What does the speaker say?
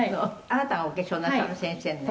「あなたがお化粧なさる？先生の」